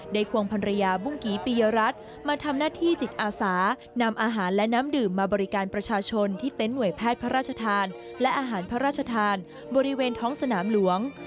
ควงภรรยาบุ้งกี่ปีปียรัฐมาทำหน้าที่จิตอาสานำอาหารและน้ำดื่มมาบริการประชาชนที่เต็นต์หน่วยแพทย์พระราชทานและอาหารพระราชทานบริเวณท้องสนามหลวง